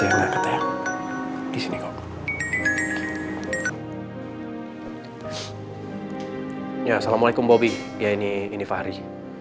ya assalamualaikum bobby ya ini fahri